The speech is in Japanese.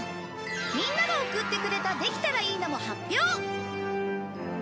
みんなが送ってくれた「できたらいいな」も発表！